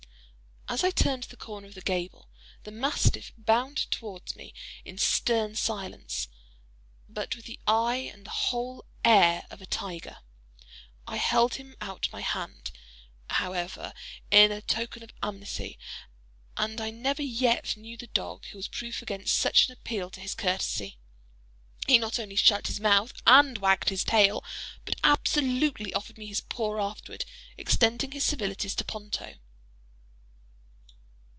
As I turned the corner of the gable, the mastiff bounded towards me in stern silence, but with the eye and the whole air of a tiger. I held him out my hand, however, in token of amity—and I never yet knew the dog who was proof against such an appeal to his courtesy. He not only shut his mouth and wagged his tail, but absolutely offered me his paw—afterward extending his civilities to Ponto.